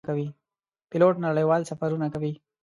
پیلوټ نړیوال سفرونه کوي.